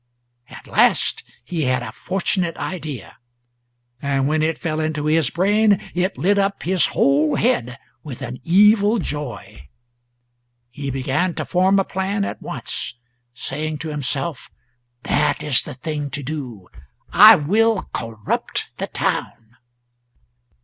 At last he had a fortunate idea, and when it fell into his brain it lit up his whole head with an evil joy. He began to form a plan at once, saying to himself "That is the thing to do I will corrupt the town."